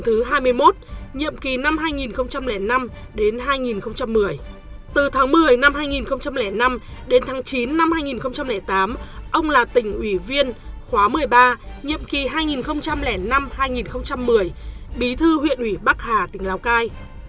từ tháng một mươi năm hai nghìn năm đến tháng chín năm hai nghìn tám ông là tỉnh ủy viên khóa một mươi ba nhiệm kỳ hai nghìn năm hai nghìn một mươi bí thư huyện ủy bắc hà tỉnh lào cai